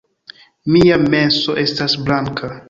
Mia menso estas blanka